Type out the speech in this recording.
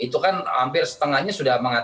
itu kan hampir setengahnya sudah mengatakan